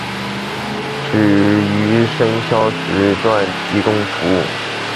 只于深宵时段提供服务。